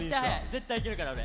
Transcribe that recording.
絶対いけるから俺。